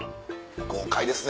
豪快ですね！